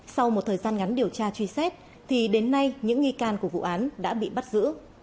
sau một thời gian ngắn điều tra truy xét thì đến nay những nghi can của vụ án đã bị bắt giữ